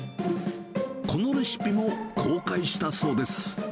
このレシピも公開したそうです。